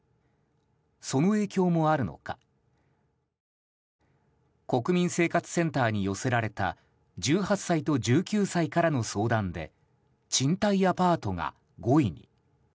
その影響もあるのか国民生活センターに寄せられた１８歳と１９歳からの相談で賃貸アパートが５位に。